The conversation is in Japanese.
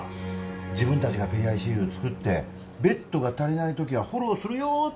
自分たちがＰＩＣＵ作ってベッドが足りないときはフォローするよってことでしょ？